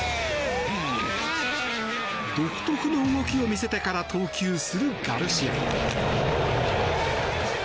独特の動きを見せてから投球するガルシア。